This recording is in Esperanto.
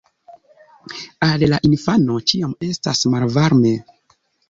Al la infano ĉiam estas malvarme.